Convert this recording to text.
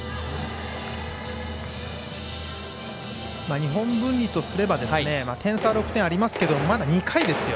日本文理とすれば点差は６点ありますけどまた６点ですよ。